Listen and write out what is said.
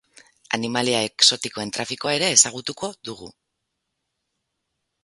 Animalia exotikoen trafikoa ere ezagutuko dugu.